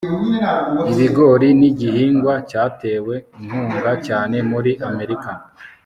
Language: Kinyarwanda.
ibigori nigihingwa cyatewe inkunga cyane muri amerika